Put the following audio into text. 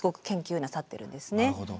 なるほど。